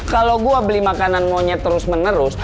kalau gue beli makanan monyet terus menerus